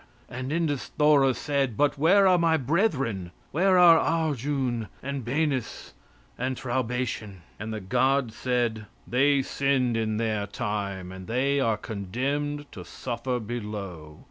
And Endesthora said: "But where are my brethren? Where are Argune and Beinis and Traubation?" And the god said: "They sinned in their time, and they are condemned to suffer below."